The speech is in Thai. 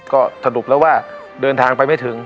ก็สรุปแล้วว่าเดินทางไปไม่ถึง